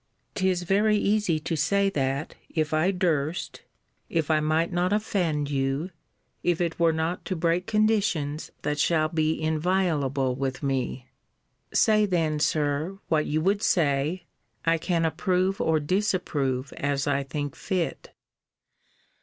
'Tis very easy to say that, if I durst if I might not offend you if it were not to break conditions that shall be inviolable with me. Say then, Sir, what you would say. I can approve or disapprove, as I think fit.